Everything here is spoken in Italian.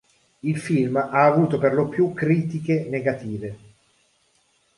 Il film ha avuto per lo più critiche negative.